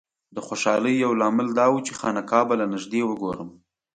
د خوشالۍ یو لامل دا و چې خانقاه به له نږدې وګورم.